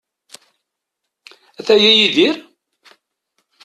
Ataya Yidir?